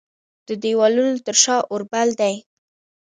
د دیوالونو تر شا اوربل دی